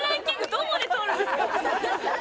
どこで取るんですか？